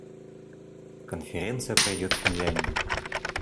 Конференция пройдет в Финляндии.